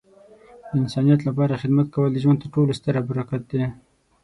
د انسانیت لپاره خدمت کول د ژوند تر ټولو ستره برکت دی.